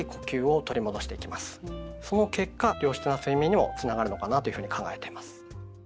その結果良質な睡眠にもつながるのかなというふうに考えています。